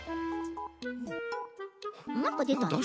なんかでたね。